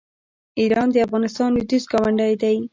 ایران د افغانستان لویدیځ ګاونډی دی.